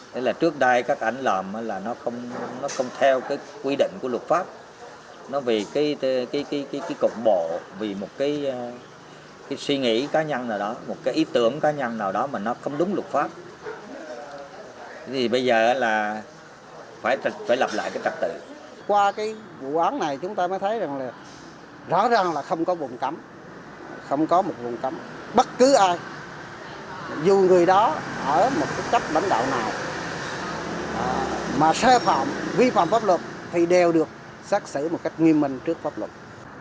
bất cứ ai dù người đó ở một cấp lãnh đạo nào mà xê phạm vi phạm pháp luật thì đều được xác xử một cách nghiêm minh trước pháp luật